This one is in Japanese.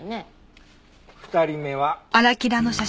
２人目は。